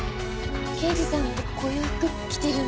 刑事さんってこういう服着てるんですね。